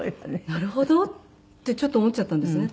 なるほどってちょっと思っちゃったんですね。